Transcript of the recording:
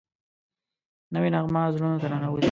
نوې نغمه زړونو ته ننوځي